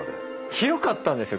広かったんですよ